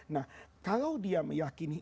nah kalau dia meyakini